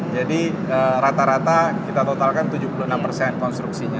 jadi rata rata kita totalkan tujuh puluh enam persen konstruksinya